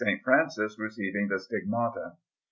Francis receiving the Stigmata.